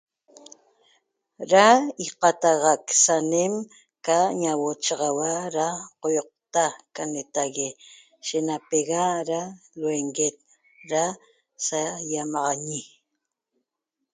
Da iqataxac sanem ca ñauochaxaua da qoýoqta ca neta'ague shenapega da luenguet da sa ýi'amaxañi